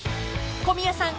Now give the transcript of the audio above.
［小宮さん